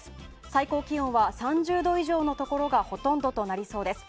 最高気温は３０度以上のところがほとんどとなりそうです。